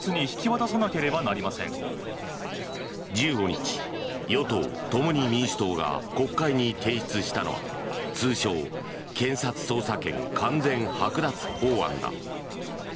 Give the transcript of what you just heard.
１５日、与党・共に民主党が国会に提出したのは通称・検察捜査権完全剥奪法案だ。